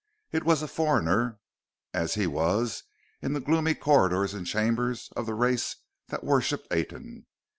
It was a foreigner, as he was, in the gloomy corridors and chambers of the race that worshipped Aten.